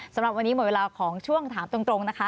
สำหรับวันนี้หมดเวลาของช่วงถามตรงนะคะ